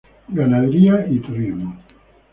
Ganadería y turismo.